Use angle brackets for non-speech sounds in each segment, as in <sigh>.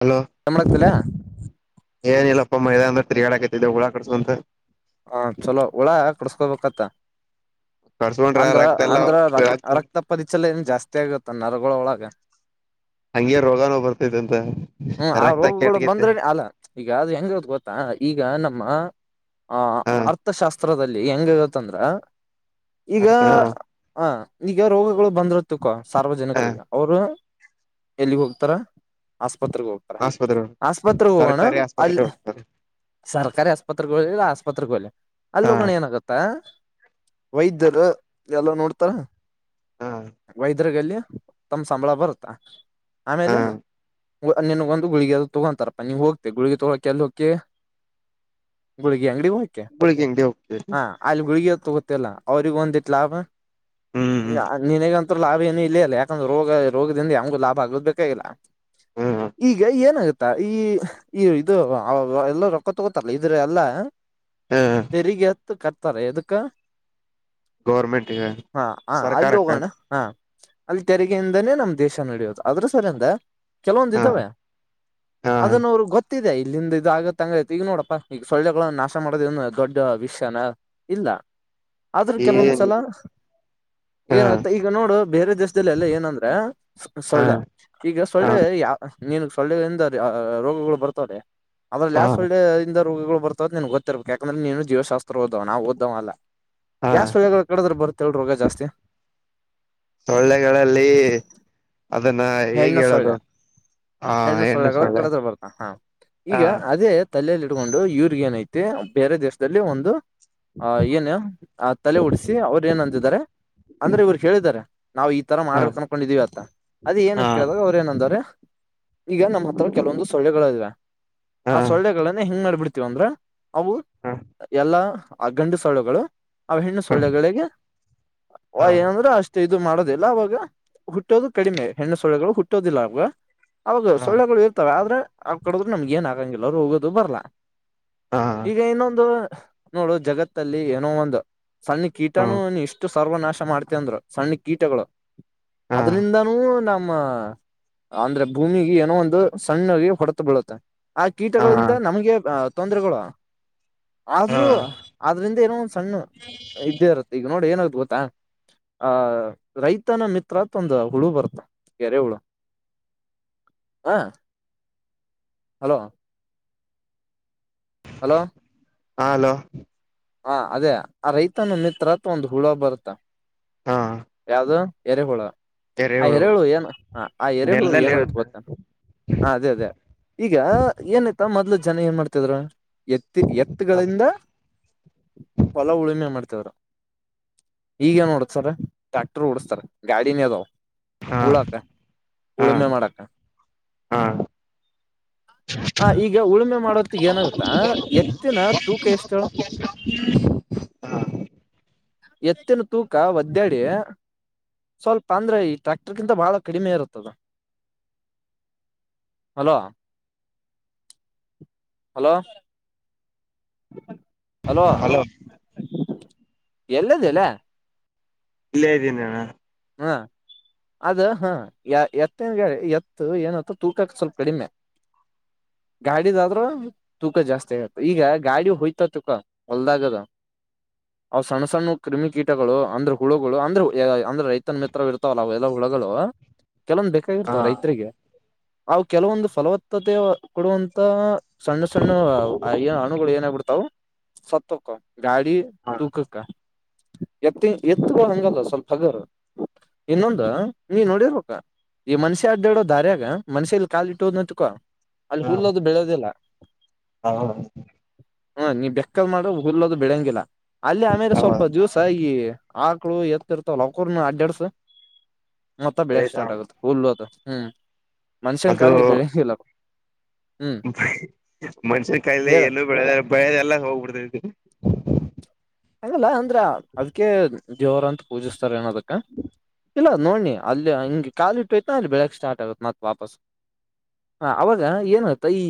Hello ಮಾಡಕ್ತಿಲ್ಲ ಏನಿಲ್ಲಪ್ಪ ಮೈದ ಅಂದ್ರ ತಿರಿಗಾಕತಿದ್ದ ಉಳಾ ಕಡ್ಸೋ ಅಂತ ಹ ಚಲೋ ಒಳ ಕೊಡ್ಸ್ಕೊಬೇಕತ್ತ ಕಡ್ಸ್ಕೊಂಡ್ರ ಅಂದ್ರ ರಕ್ತ ಎಲ್ಲ ಅಂದ್ರ ರಕ್ ರಕ್ತ ಪರಿಚಲ ಏನ್ ಜಾಸ್ತಿ ಆಗತ್ತ ಅನಾರ ಗಳ ಒಳಗೆ ಹಂಗೆ ರೋಗಾನೂ ಬರ್ತೈತಿ ಅಂತ ಹ್ಮ್ ಆ ರಕ್ತ ರೋಗಗಳು ಕೆಟ್ಗೈತೆ ಬಂದ್ರೇನೆ ಅಲ್ಲ ಈಗ ಅದು ಹೆಂಗದು ಗೊತ್ತಾ ಈಗ ನಮ್ಮ ಆ ಹ ಅರ್ಥಶಾಸ್ತ್ರ ಚಿತ್ರದಲ್ಲಿ ಹೆಂಗಗತ್ತಂದ್ರ ಈಗ ಅರ್ಥ ಹ ಈಗ ರೋಗಗಳು ಬಂದರುತ ಕೋ ಹ ಸಾರ್ವಜನಿಕರಿಗೆ ಅವರು ಎಲ್ಲಿಗೆ ಹೋಗ್ತಾರಸ್ ಆಸ್ಪತ್ರೆಗೆ ಹೋಗ್ತಾರೆ ಆಸ್ಪತ್ರೆ ಆಸ್ಪತ್ರೆಗೆ ಹೋಗೋಣ ಸರ್ಕಾರಿ ಆಸ್ಪತ್ರೆ ಅಲ್ಲಿ ಹೋಗ್ತಾರೆ ಸರ್ಕಾರಿ ಆಸ್ಪತ್ರೆ ಅಲ್ಲಿ ಹಾ ಹೋಗಣ ಏನಾಗುತ್ತಾ ವೈದ್ಯರು ಎಲ್ಲ ನೋಡ್ತಾರ ಹಾ ತಮ ಸಂಬಳ ಬರುತ್ತ ಹಾ ಆಮೇಲೆ ನೆನ್ಗೊಂದು ಗುಳಿಗೆ ತಗೊಂತಾರಪ್ಪ ನೀ ಹೋಗ್ತ ಗುಳಿ ತಗೋಕ ಎಲ್ಲಕಿ ಗುಳಿಗೆ ಅಂಗಡಿ ಹೋಗತ ಗುಳಿಗೆ ಅಂಗಡಿ ಹೋಗ್ತೇವಿ ಹ ಆಗಳಿಗೆ ತಗೋ ಇಲ್ಲ ಅವ್ರಗ ಒಂದಿತ್ ಲಾಭ ಹ್ಮ್ ಹ್ಮ್ ಹ ನಿನಗಂತೂ ಲಾಭ ಏನು ಇಲ್ಲ ಅಲ್ಲ ಯಾಕಂದ್ರೆ ರೋಗ ರೋಗದಿಂದ ಯಮ್ಗು ಲಾಭ ಆಗದ ಬೇಕ ಇಲ್ಲ ಹ್ಮ್ ಈಗ ಏನಾಗುತ್ತ ಈ ಇದು ಎಲ್ಲ ರೊಕ್ಕತ್ಗೊತ್ತಲ್ಲ ಇದ್ರ ಎಲ್ಲ ಹ ರಿಗೆ ಕರ್ತಾರೆ ಎದಕ್ಕ ಗೌರ್ಮೆಂಟ್ ಹಾ ಹ ಅಲ್ಲಿ ಸರ್ಕಾರಕ್ಕ ಹೋಗೋಣ ಹಾ ಅಲ್ಲಿ ತೆರಿಗೆಯಿಂದಾನೇ ನಮ್ ದೇಶ ನಡಿಯೋದು ಅದ್ರ ಸರಿಯಂದ ಕೆಲವೊಂದ ಹಾ ಇದ್ದಾವೆ ಹಾ ಅದನ್ನ ಅವರು ಗೊತ್ತ ಗತ್ತಿದೆ ಇಲ್ಲಿಂದ ಇದ ಆಗತ್ಂಗತೆ ಈಗ ನೋಡಪ್ಪಾ ಈಗ ಸೊಳ್ಳೆಗಳ ನಾಶ ಮಾಡೋದ ಏನು ದೊಡ್ಡ ವಿಷಯನ ಇಲ್ಲ ಆದ್ರ ಏನ್ ಕೆಲವೊಂದ್ಸಲ ಹಾ ಏನ ಮ ಈಗ ನೋಡು ಬೇರೆ ದೇಶಲ್ಲೆಲ್ಲ ಏನಂದ್ರೆ ಹಾ ಸೊಳ್ಳೆ ಈಗ ಹಾ ಸೊಳ್ಳೆ ಯಾ ನೀನ್ ಸೊಳ್ಳೆ ಎಂದ ರೀ ರೋಗಗಳು ಬರ್ತಾವ್ರ ಆದ್ರೆ ಹಾ ಲಾಸ್ಟ್ ಒ ರೋಗಗಳುರ್ತಾವದ ನನ್ ಗತ್ತಿರ್ಬೇಕ ಯಾಕಂದ್ರೆ ನೀನು ಜೀವಶಾಸ್ತ್ರಓದ ನಾವುಓದ್ ಅಲ್ಲ ಹಾ ಯಷ್ಟು ವಗಳು ಕಡದ್ರ ಬರ್ತ್ ಹೇಳಿ ರೋಗ ಜಾಸ್ತಿ ಸೊಳ್ಳೆಗಳಲ್ಲಿ ಅದನ್ನ ಹೇಗ್ ಹೆಣ್ಣ ಹೇಳೋದು ಸೊಳ್ಳೆ ಹ ಹೆಣ್ಣ ಹೆಣ್ಣು ಸೊಳ್ಳೆಗಳ ಸೊಳ್ಳೆ ಕಡದ್ರ ಬರ್ತ ಹಾ ಈಗ ಹಾ ಅದೇ ತಲಲಿ ಇಡ್ಕೊಂಡು ಇವ್ರಗ ಏನೈತಿ ಬೇರೆ ದೇಶದಲ್ಲಿ ಒಂದು ಆ ಏನ್ ಆ ತಲೆ ಉಡ್ಸಿ ಅವರು ಏನ್ ಅಂದಿದಿದ್ದಾರೆ ಅಂದ್ರೆ ಇವ್ರ ಕೇಳಿದಿದ್ದಾರೆ ನಾವವು ಈ ತರ ಹಾ ಮಾಡ್ಬೇಕಕ್ ಅನ್ಕೊಂಡಿದಿವವಿ ಅತ್ತ ಏನ್ ಹಾ ಕೇಳ ಅವ್ರೇಏ ಈಗ ನಮ್ಮ್ ಹತ್ರರ ಕೆಲವೊಂದು ಸೊಳ್ಳೆಗಳುಇವೆ ಹಾ ಆ ಸೊಳ್ಳಗಳನ್ನ ಹ ಹೆಂಗ್ ನಡಡ್ಬಿಡ್ವಿ ಅಂದ್ರ ಅವು ಹಾ ಎಲ್ಲಾ ಆ ಗಂಡು ಸಳುಗಳು ಅವ ಹೆಣ್ಣು ಸೊಳ್ಳೆಗಳಿಗೆ ಹಾ ಏನಂದ್ರೂ ಅಷ್ಟ ಇದು ಮಾಡೋದಿಲ್ಲ ಅವಾಗ ಹುಟ್ಟೋದು ಕಡಿಮೆ ಹೆಣ್ಣು ಸೋಳ್ಳೆಗಳು ಹುಟ್ಟೋದಿಲ್ಲ ಅವವ ಅವಾಗ ಹಾ ಹಾ ಸೊಳ್ಳೆಗಳು ಇರ್ತವೆ ಆದ್ರೆ ಅವ್ ಕಡದ್ರರು ನಮ್ಗೆ ಏನ್ ಆಗಂಗ ಎಲ್ಲ ಹೋಗದು ಬರ್ಲ್ಲ ಹಾ ಈಗ ಇನ್ನೊಂದು ನೋಡು ಜಗತ್ತಲ್ಲಿ ಏನೋ ಒಂದು ಸಣ್ಣ ಕೀಟಾನು ಇಷ್ಟು ಸರ್ವನಾಶ ಮಾಡ್ತ ಅಂದ್ರು ಸಣ್ಣ ಕೀಟಗಳು ಹಾ ಅದರಿಂದನೂ ನಮ್ಮ ಅಂದ್ರೆ ಭೂಮಿಿಗೆ ಏನೋ ಒಂದು ಸಣ್ಣಾಗಿ ಹೊಡೆತ ಬೀಳುತ್ತೆ ಆ ಹಾ ಕೀಟಗಳಿಂದ ನಮ್ಗೆ ತೊಂದರೆಗಳು ಹಾ ಆದ್ರೂ ಆದ್ರಿಂದ ಏನೋ ಒಂದ್ ಸಣ್ಣ ಇದ್ದೇ ಇರುತ್ತೆ ಈಗ ನೋಡಿ ಏನ ಗೊತ್ತಾ ಆ ರೈತನ ಮಿತ್ರತ್ ಒಂದು ಹುಳು ಬರ್ತ ಳ ಹ ಹಲೋ ಹಲೋ ಹಾ ಹಲೋ ಹ ಅದೇ ಆ ರೈತನ ಮಿತ್ರ ಅತ್ ಒಂದು ಹುಳ ಬರುತ್ತ ಹಾ ಯದು ಎರೆಹೋಳ ಆ ಎರೆಹುಳು ಏನು ಹ ಆ ಎರೆಹುಳು ನೆಲದಲ್ಲಿ ಏನಾಗುತ್ತ ಇರುತ್ತೆ ಗೊತ್ತೆ ಹ ಅದೇ ಅದೇ ಈಗ ಏನತ್ತ ಮೊದ್ಲು ಜನ ಏನ್ ಮಾಡ್ತಿದ್ ಎತ್ತಿ ಎತ್ಗಳಿಂದ ಹೊಲ ಉಳುಮೆ ಮಾಡ್ತವರು ಈಗ ಏನ್ ಓಡ್ತಾರ ಟ್ಯಾಕ್ಟರ್ ಓಡಸ್ತಾರ ಗಾಡಿನ ಅದಾವ ಹಾ ಉಳಕ ಹಾ ಉಳುಮೆ ಮಾಡಕ ಹಾ ಆ ಈಗ ಉಳುಮೆ ಮಾಡೋತ್ತಿಗೆ ಏನಾಗುತ್ತ ಎತ್ತಿನ ತೂಕ ಎಷ್ಟು ಎತ್ ಮತ್ತಿನ ತೂಕ ಒದ್ದಡಿ ಸ್ವಲ್ಪ ಅಂದ್ರೆ ಈ ಟ್ರಕ್ಟರ್ಗಿಂತ ಬಹಳ ಕಡಿಮೆ ಇರುತ್ತದೆ ಹಲೋ ಹಲೋ ಹ ಹಲೋ ಎಲ್ಲದಲ್ಲ ಇಲ್ಲೇ ಇದ್ದೀನಿ ನಾನ ಹಾ ಅದ ಹಾ ಎತ್ತನ್ ಎತ್ತು ಏನತ್ತ ತೂಕಕ್ಕೆ ಸ್ವಲ್ಪ ಕಡಿಮೆ ಗಾಡಿದ ಆದ್ರೂ ತೂಕ ಜಾಸ್ತಿ ಆಗತ ಈಗ ಗಾಡಿ ಹೋಯ್ತ ತೂಕ ಹೊಲ್ದಾಗದು ಅವ್ ಸಣ್ಣ ಸಣ್ಣ ಕ್ರಿಮಿಿಕೀಟಗಳು ಅಂದ್ರೆ ಹುಳುಗಳು ಅಂದ್ರೆ ಅಂದ್ರ ತ್ತ ಮಿತ್ರ ಇರ್ತಾವಲ್ಲ ಅವೆಲ್ಲ ಹುಳಗಳು ಹಾ ಕೆಲವೊಬೇಕಾಗಿರ್ತವ ರೈತರಿಗೆ ಅವು ಕೆಲವೊಂದು ಫಲವತ್ತತೆ ಕೊಡುವಂತ ಸಣ್ಣ ಸಣ್ಣ ಏ ಅಣುಗಳು ಏನಾಗಬಿಡ್ತಾವವು ಸತ್ತುಕ್ಕ ಗಾಡಿ ಹಾ ತುಕ ಕ ಎತ್ತಿಂಗ ಎತ್ತು ಬ ಹಂಗಲ್ಲ ಸ್ವಲ್ಪ ಹಗರ್ ಇನ್ನೊಂದು ನೀ ನೋಡಿರ್ಬೇಕ ಈ ಮನ್ಷ್ಯ ಅಡ್ಡಾಡೋ ದಾರ್ಯಾಗ ಮನ್ಷ್ಯಲ್ಲಿ ಕಾಾಲ ಇಟ್ಟೋದ್ ನಂತಕ ಅಲ್ಲಿ ಹುಲ್ಲದು ಬೆಳೋದಿಲ್ಲ ಹಾ ಹಾ ನೀ್ ಬೆಕ್ಕದ ಮಾಡ್ರ ಹುಲ್ಲದು ಬಿಳಂಗಿಲ್ಲಾ ಅಲ್ಲಿ ಆಮೇಲೆ ಸ್ವಲ್ಪ ಹೌದಾ ಜ್ಯೂಸ್ ಆ ಈ ಆಕ್ಳು ಎತ್ತ ಇರ್ತವ ಅವವು ಕೊಣ ಅಡ್ಡ ಮತ್ತ ಬೆಳಕ್ ಸ್ಟಾರ್ ಆಗುತ್ತೆ ಹುಲ್ಲು ಅದು ಹ್ಮ್ ಮನ್ಷ್ಯನ್ ಕಾಲ್ದ ಬೆಳೆ ಇಲ್ಲಪ್ಪ ಮನುಷ್ಯನ್ ಕಾಯಲ್ಲಿ ಹೇಳ ಎಲ್ಲೂ ಬೆಳದ ಬೆಯೆದ ಎಲ್ಲ ಹೋಗ್ಬಿಡ್ತ ಇದ್ದ ಹಂಗಲ್ಲ ಅಂದ್ರ ಅದ್ಕ ದೇವರ ಅಂತ ಪೂಜಿಸ್ತಾರ ಏನದಕ್ಕೆ ಕಾ ಇಲ್ಲ ನೋಡ್ಿ ಅಲ್ಲಿ ಹಗೆ ಕಾಲ ಇಟ್ಟುೋಯ್ತು ನ ಅಲ್ಲಿ ಬೆಳಗ್ ಸ್ಟಾರ್ಟ್ ಆಗುತ್ತೆ ಮತ್ತ ವಾಪಸ್ ಹ ಅವಾಗ ಏನಾಯಯ್ತ ಈ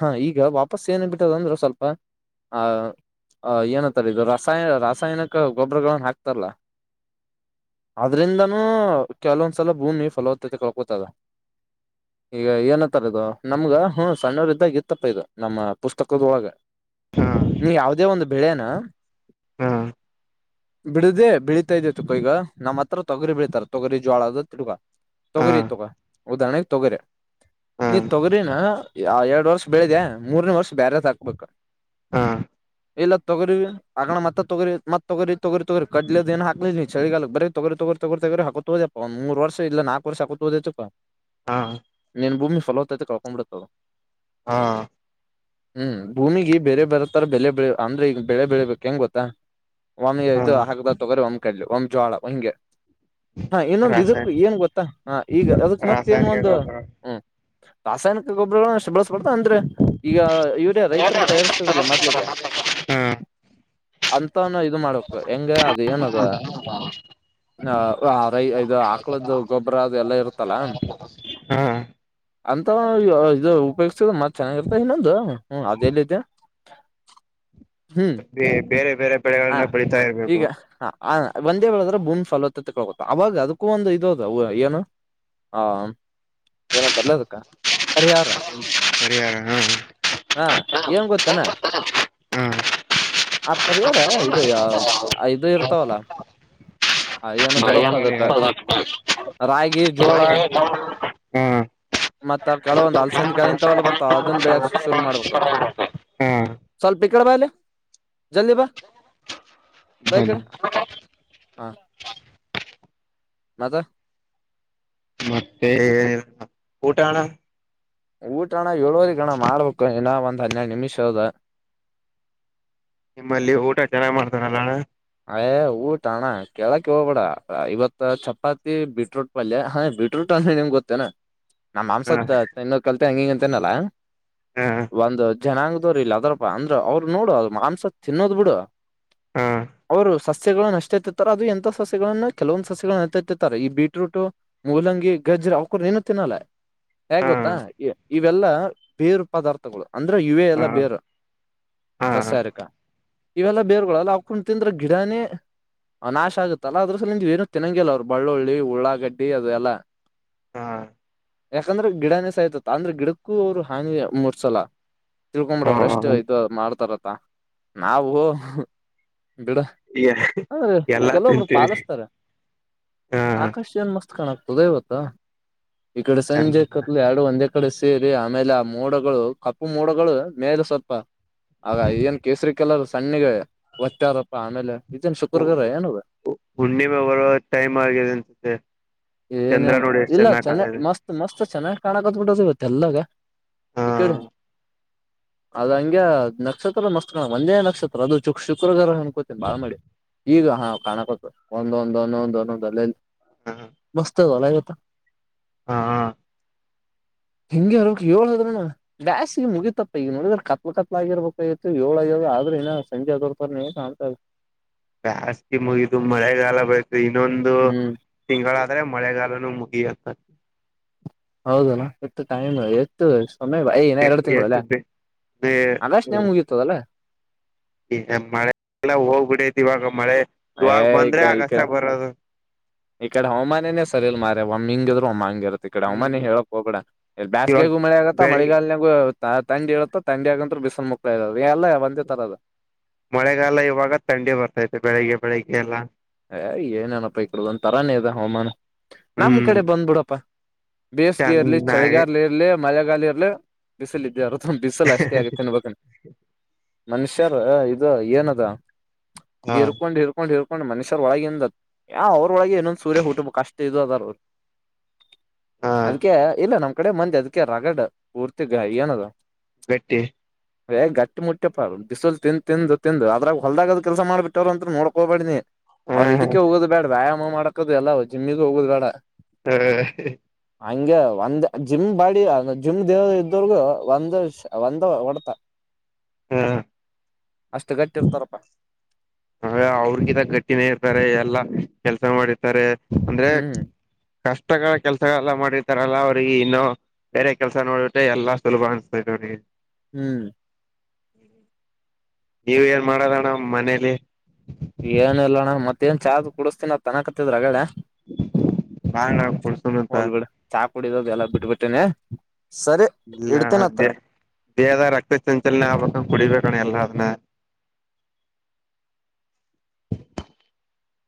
ಹ ಈಗ ವಾಪಸ್ ಏನ ಬಿಟ್ಟದಂದ್ರೆ ಸ್ವಲ್ಪ ಆ ಏನತ್ತಾರ ಇದರ ರಾಯ ರಾಸಾಯನಿಕ ಗೊಬ್ಬರಗಳನ್ನ ಹಾಕ್ತಾರಲ್ಲ ಆದದ್ರಿಂದನೂ ಕೆಲವೊಂದ್ಸಲ ಭೂಮಿ ಫಲವತ್ತತೆ ಕಕತದ ಈಗ ಏನತ್ತಾರದು ನಮ್ಗ ಹ ಸಣ್ಣವರು ಇದ್ದಾಗ ತಪ್ಪ ಇದು ನಮ್ಮ ಪುಸ್ತಕದ ಒಳಗೆ ಹಾ ನೀ ಯಾವದೇ ಒಂದು ಬೆಳೆನ ಹಾ ಬಿಡುದೇ ಬಿಳಿತಾ ಇದ ತಪ್ಪ ಈಗ ನಮ್ಮ ಹತ್ರ ತೊಗರಿ ಬೀತಾರ ತೊಗರಿ ಜೋಳದ ತಿಡ್ಗಾ ಹಾ ತಗರಿ ತಗ ಉದಾಹರಣೆ ತೊಗರೆ ಹಾ ನೀ ತೊಗರಿಿನ ಆ ಎರಡು ವರ್ಷ ಬೆಳಿದೆ ಮೂರನೇ ವರ್ಷ ಬ್ಯರೆಸ್ ಹಾಕ್ಬೇಕ ಹಾ ಎಲ್ಲ ತೊಗರಿಿವ ಆಗಣ ಮತ್ತತ್ ತಗರಿತ್ ತಗರಿ ತಗರಿ ತಗರಿ ಕಡ್ಲದ ಏ ಹಾಕ್ಿದ್ ಚಳಗಾಲಕ್ ಬ್ರ ತಗರಿ ತಗರಿ ತಗರಿ ತಗರಿಾಕತೋದಪ್ಪ ಒಂದ ಮೂರ್ ಇಾ ನಾಕಕ್ರ್ ಹಾಕತ ಹೋದುಪ್ಪ ಹಾ ಏನು ಭೂಮಿ ಫಲ ಹೊತ್ತತೈತೆ ಕಳ್ಕೊಂಡ್ ಬಿಿಡತದೆ ಹಾ ಹ್ಮ್ ಭೂಮಿಗ ಬೇರೆ ಬರತರ ಬೆಳ ಬೆಳೆ ಅಂದ್ರೆ ಈಗ ಬೆಳೆ ಬೆಳಬೇಕು ಕೆ ಹೆಂಗ್ ಗೊತ್ತಾ ಒಮ ಹಾ ಇದು ಹಾಕ್ದ ತೊಗರಿ ಒಮ್ ಲ್ ಒಮ್ ಜೋಳ ಹಂಗೆ ಹಾ ಇನ್ನೊಂದು ಇದಕ್ ರಾಸಾಯನ ಏನ್ ಗೊತ್ತಾ ಹಾ ಈಗ ಅದಕ್ ಮತ್ತ ಏನ ರಾಸಾಯನಿಕ ಒಂದು ಗೊಬ್ಬರ ಹ್ಮ್ ರಾಸಾಯನಿಕ ಗೊಬ್ಬರ ಸ್ತ ಅಂದ್ರೆ ಈಗ ಇವರ ರೈತರು ತಯಾರಿಸ್ತಿದಲ್ಲ್ಲ ಮೊದ್ಲಿಗೆ ಹಾ ಅಂತನು ಇ ಮಾಡ್ು ಹೆಂಗಗೆ ಅದ ಏನದ ರೈ ಇದು ಆಕ್ಳದ್ದು ಗೊಬ್ಬರ ಅದು ಎಲ್ಲ ಇರುತ್ತಲ್ಲ ಹಾ ಅಂತ ಇ ಉಪಯೋಗ್ತ ಮತ್ ಚೆನ್ನಾಗಿರ್ತ ಇನ್ನೊಂದು ಹ ಅದಲ್ಲಿದೆ ಹ್ಮ್ ಬೇ ಬೇರೆ ಬೇರೆ ಹ ಪಡೆೆಗಳನ್ನ ಪಡತಾ ಇರ್ಬೇಕು ಈಗ ಒಂದೇ ಬದ್ರೆ ಬೂನ್ ಫಾಲ್ತ್ತ ತಕೊಕೋತ ಅವಾಗ ಅದಕ್ಕೂ ಒಂದು ಇದದ ಏನು ಆ ಏನಂತರ್ಲ ಅದಕ್ಕ ಪರಿಹಾರ ಪರಿಹಾರ ಹಾ ಹಾ ಏನ್ ಗೊತ್ತನಾ ಆ ಪರಿಹಾರ ಹಾ ಇದು ಬೆಳೆ ಇದು ಇರ್ ತಲ ಹ ಏನಂತರಪ್ಪ ಅದ ಪರಿಹಾರ. ರಾಗಿ ಜೋಳ ಹಾ ಮತ್ತ ಕೆಲವೊಂದ್ ಅಲ್ಸಂದ ಕೆಾಲ ಇಂತಲ್ಲ ಬರ್ತಾವ ಅದನ್ನ ಬೆಳಗ್ ಹ್ಮ್ ಕಡಬಲೆ ಜಲಿ ಬ ಬಾಯಕಡೆ ಮತ್ತೆ ಹಾ ನದು ಮತ್ತೆ ಕಊಟಣ ಊಟ ಹಣ ಏಳುವರಿ ಗಣ ಮಾಡ್ಬೇಕು ಇನ ಒಂದ್ ಹನ್ನೆರಡು ನಿಮಿಷ ಅದ ನಿಮ್ಮಲ್ಲಿ ಊಟ ಚೆನ್ನಾಗ್ ಮಾಡ್ತಾರಲ್ಲ ಯ ಊಟ ಅಣ ಕೇಳಕ್ ಹೋಗ್ಬೇಡ ಇವತ್ ಚಪಾತಿ ಬಿೀಟ್ರೂಟ್ ಪಲ್ಯ ಹ ಬಿೀಟ್ರೂಟ್ ಅಂದ ನಿಮ್ಗೆ ಗೊತ್ತೇನಾ ನಮ್ಮ್ ಮಾಂಸತ್ ಅಣ್ಣ ಇನ್ನ ಕಲ್ಸ ್ಯಾಂಗಿಂಗ ಅಂತನಲ್ಲಾ ಹಾ ಒಂದು ಜನಾಂಗದವ್ರ ಇಲ್ಲ ಅದ್ರಪ್ಪ ಅಂದ್ರ ಅವ್ರು ನೋಡು ಮಾಂಸ ತಿನ್ನೋದ್ ಬಿಡು ಹಾ ಅವರು ಸಸ್ಯಗಳನ್ನ ಅಷ್ಟೇತಿತ್ತಾರೆ ಅದು ಎಂತ ಸಸ್ಯಗಳನ್ನ ಕೆಲವೊಂದ್ ಸಸ್ಯಗಳನ್ನ ಅಾತಿತ್ತಾರೆ ಈ ಬೀಟ್ರೂಟ ಮೂಲಂಗಿ ಗಜ್ರ ಅವಕರು ಏನು ತಿನ್ನಲ್ಲ ಹೇ ಹಾ ಗೊತ್ತಾ ಇವೆಲ್ಲಾ ಬೇರ್ ಪದಾರ್ಥಗಳು ಅಂದ್ರೆ ಯು ಎ ಹಾ ಎಲ್ಲ ಬೇರ್ ಸಸಾರಿಕ ಇವೆಲ್ಲ ಬೇರ್ಗಳಲ್ಲ ಅವಕಂಟ ತಿಂದ್ರ ಗಿಡನೇ ಅ ನಾಶ ಆಗುತ್ತಲ್ಲ ಅದ್ರ ಸಲ ನಿ ಏನು ತಿೆನ್ನಂಗಿಲ್ಲ ಅವರು ಬಳ್ಳುಳ್ಳಿ ಉಳ್ಳಾಗಡ್ಡಿ ಅದೆಲ್ಲ ಹಾ ಹಾ ಯಾಕಂದ್ರೆ ಗಿಡನೇ ಸಾಯ್ತತ್ ಅಂದ್ರೆ ಗಿಡಕ್ಕೂ ಅವರು ಹಾನಿ ಮೂರ್ಸಲ್ಲ ಹಾ ತಿಳ್ಕೊ್ಬಿಡವ್ರ ಎಷ್ಟು ಇದು ಮಾಡ್ತಾರ ನಾವು ಬಿಡ ಹ ರ ಎಲ್ಲಾ ಕೆಲವೊಬ್ರು ತಿಂತೀವಿ ಪಾಲಿಸ್ತಾರೆ ಹಾ ಆಕಾಶ ಏನ್ ಮಸ್ತ್ ಕತ್ಕಾಣ ಆ್ತದ ಇವತ್ತಾ ಈ ಕಡೆ ಸಂಜೆ ಚಂದ ಕತ್ಲು ಎರಡು ಒಂದೇ ಕಡೆ ಸೇರಿ ಆಮೇಲೆ ಆ ಮೋಡಗಳು ಕಪ್ಪು ಮೋಡಗಳು ಮೇಲೆ ಸ್ವಲ್ಪ ಆಗ ಏನ್ ಕೇಸರಿ ಕಲರ್ ತಣ್ಣಗೆ ಒಚ್ಚಾರಪ್ಪ ಆಮೇಲೆ ಏನದ ಹುಣ್ಣಿಮೆ ಬರುವ ಟೈಮ್ ಆಗಿದೆ ಅಂತ ಚಂದ್ರ ಏನೇನು ನೋಡಿ ಎಷ್ಟು ಚೆನ್ನ ಕತದೆ ಕಾಣಕ ಹತ್ಬಿಟ್ಟ ಸಿಗತ್ತೆ ಎಲ್ಲಾಗ ಈ ಕಡೆ ಅದ ಹಂಗಗೆ ನಕ್ಷತ್ರ ಮಸ್ತ್ ಕ ಒಂದೇ ನಕ್ಷತ್ರ ಅದು ು ಶುಕ್ರಗಾರ ಕೋತೇನೆ ಬಾಳ ಮಾಡಿ ಈಗ ಹಾ ಕಾಣಕ ಒಂದೊಂದು ಒಂದೊಂದು ಒಂದೊಂದು ಅಲ್ಲಲ್ಲಿ ಹಾ ಮಸ್ತ ಅಲ ಹಾ ಹ ಹೆಂಗೆ ಅವರಕ್ ಏಳ್ದ್ರೂ ಬ್ಯಾಸಿಗೆ ಮುಗಿತಪ್ಪ ಈಗ ನೋಡಿದ್ರ ಕತ್ಲ ಕತ್ಲ ಆಗಿರ್ಬೇಕಾಗಿತ್ತು ಏಳ್ಗ್ಯ ಆದ್ರೆ ಇನ ಸಂಜಯ ದೊಡ್ತ ನೀ ಸತ ಜಸ್ತಿ ಮುಗಿ ತು ಮರಗಲ್ಲ ಬ ಇನ್ನೊಂದು ಹ್ಮ್ ತಿಂಗಳಾದ್ರೆ ಮಳೆಗ ಮುಗ ಹೌದಣ ಎಟ್ಟು ಟೈಮ್ ಎಷ್ಟು ಒಮ್ಮೆ ಬಾಯ ನ ಎರಡು ತಿಂಗಳುಲ್ಲ ಎಷ್ಟು ಆಗಷ್ಟಟ್ ನೇ ಮುಗಿಯತದಲ್ಲ ಈ ಮಳೆಲ್ಲ ಹೋಗ್ಬಿಡೈತಿ ಇವಾಗ ಮಳೆ ಹ ಇವಾಗ ಬಂದ್ರೆ ಈ ಆಗಷ್ಟ ಬರೋದು ಈಕಡೆ ಹವಾಮಾನನೆ ಸರಿ ಇಲ್ ಮ ಒಮ್ಮೆ ಇಂಗಿದ್ರು ಒಮ್ಮೆ ಅಂಗಿರ್ತತೆ ಈಡ ಹ್ಮ್ ಅಮ್ಮಾನಿ ಹೇಳಕ್ ಹೋಗ ಎಲ್ಲಿ ಇವಾಗ ಬೇಸ್ಗೆಗು ಮಳೆ ಆಗತ್ತ ಬೆಳಿಗ್ಗೆ ಮಳಿಗಾಲ ನಗು ತಂಡಿ ಇರುತ್ತೆ ತಂಡಿ ಆದ್ನಂತರ ಬಿಸನ್ ಮುಕ್ತಾ ಇರ ಎಲ್ಲ ಒಂದ ತರದ ಮಳೆಗಾಲ ಇವಾಗ ತಂಡಿ ಬರ್ತೈತೆ ಬೆಳಿಗ್ಗೆ ಬೆಳಿಗ್ಗೆ ಎಲ್ಲ ಅ ಏನೇನಪ್ಪಾ ಇಕಡ ಒಂತರಾನೇ ಅ ಹವಾಮಾನ ನಮ್ ಹ್ಮ್ ಕಡೆ ಬಂದ್ಬಿಡಪ್ಪಾ ಬೇಸ್ಗೆರ್ಲಿ ಚೆನ್ನಾಗಿ ಚಳಿಗಾರ್ಲಿ ಇರ್ಲಿ ಮಳೆಗಾಲಿಯಲ್ಲಿ ಬಿಸಿಲ ಇದ್ಯಾರ ಬಿಸಲು ಅಷ್ಟೇ ಆಗತ್ತೆ ಬ ಮನುಷ್ಯರ ಅದ ಏನದಾ ಹಾ ಹೇಳ್ಕೊಂಡ್ ಹೇರ್ಕೊಂಡ್ ಹೇರ್ಕೊಂಡ್ ಹ ಮಸ ಒಳಗಿಂದ ಯ ಅವ್ರ ಒಳಗೆ ಇನೊಂದ ಸೂರ ಹುಟ್ಬೇಕು ಅಷ್ಟ ಇ ಅದ ಹೌ ಹಾ ಅದಕ್ಕೆ ಇಲ್ಲ ನಮ್ ಕಡೆ ಮಂದಿ ಅದಕ ರಗಡ್ ಪೂರ್ತಿ ಏನದು ಗಟ್ಟಿ ಏ ಗಟ್ಟಿ ಮುಟ್ಟ್ಯಪ್ಪ ಬಿಸಲ್ ತಿಂದ ತಿಂದು ತಿಂದು ಅದ್ರಾಗ ಹೊಲ್ದಾಗದ ಕೆಲಸ ಮಾಡಬಿಟ್ಟವರು ಅಂತರು ನೋಡ್ಕೋಬೇಡನಿ ಅವ್ರ ಹ ಇದಕ್ಕೆ ಹೋಗೋ ಬೇಡ ಬಾ ಮಾಡಕದು ಎಲ್ಲ ಜಿಮ್ಮಿಗ್ ಹೋಗೋದು ಬೇಡ ಹ್ಮ ಹಂಗೆ ಒಂದ್ ಜಿಮ್ ಬಾಡಿ ಜಿಮ್ ದೇವ ಇದ್ದೋರ್ಗು ಒಂದ್ ಒಂದ ಹೊಡ್ತ ಹ್ಮ ಅಷ್ಟು ಗಟ್ಟಿರ್ತಾರಪ್ಪ ಅವೆ ಅವ್ರಗಿಂದ ಗಟ್ಟಿನೇ ಇರ್ತಾರೆ ಎಲ್ಲಾ ಕೆಲ್ಸ ಮಾಡಿರ್ತಾರೆ ಅಂದ್ರೆ ಹ್ಮ್ ಕಷ್ಟ ಕಷ್ಟ ಕೆಲ್ಸಗಳೆಲ್ಲ ಮಾಡಿರ್ತಾರಲ್ಲ ಅವ್ರಿಗೆ ಇನ್ನೂ ಬೇರೆ ಕೆಲ್ಸ ನೋಡಟ್ಟೆ ಎಲ್ಲಾ ಸುಲಭ ಅನ್ಸ್ತದೆ ಅವ್ರಿಗೆ ಹ್ಮ್ <inaudible> ನೀವ ಏನ್ ಮಾಡದಣ್ಣ ಮನೇಲಿ ಏನ ಇಲ್ಲ ಅಣ್ಣ ಮತ್ತೇ ನ್ ಚಾಹ ಕುಡಿಸಸ್ತೀನ ನ್ ತನಕತ್ತಿದ್ರಗಡೆ ಬಾಣ ಕುಡ್ಸಣ ಅಂತ ಹೋಲ್ಬೇಡ ಚಾ ಕುಡಿದದು ಎಲ್ಲ ಬಿಟ್ಬಿಟ್ಟೇನೆ ಸರಿ ಇಲ್ಲೇ ಇಡ್ತೇನತ್ತ ದೇಹದ ರಕ್ತ ಚಂಚಲನ ಆಗ್ಬೇಕು ಕುಡಿಬೇಕು ಕ ಅಲ್ಲದನ್ನ